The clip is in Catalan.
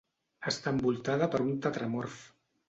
Està envoltada per un tetramorf.